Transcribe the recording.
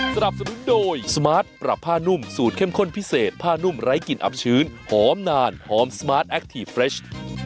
สนับสนุนโดยสมาร์ทปรับผ้านุ่มสูตรเข้มข้นพิเศษผ้านุ่มไร้กลิ่นอับชื้นหอมนานหอมสมาร์ทแคคทีฟเฟรช